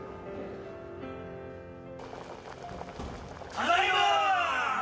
ただいまー！